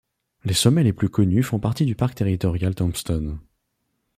Les sommets les plus connus font partie du parc territorial Tombstone.